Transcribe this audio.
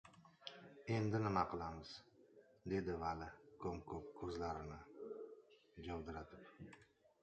— Endi nima qilamiz? — dedi Vali ko‘m-ko‘k ko‘zlarini jovdiratib.